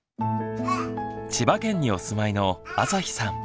千葉県にお住まいのあさひさん。